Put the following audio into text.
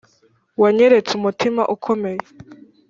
wanyeretse umutima ukomeye